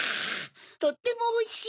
とってもおいしい！